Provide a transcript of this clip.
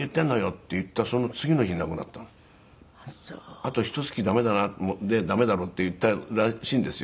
「あとひと月で駄目だろう」って言ったらしいんですよ。